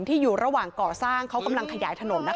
ที่อยู่ระหว่างก่อสร้างเขากำลังขยายถนน